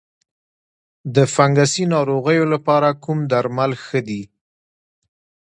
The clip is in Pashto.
د فنګسي ناروغیو لپاره کوم درمل ښه دي؟